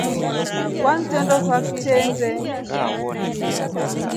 Wangitrendokwa kitrende.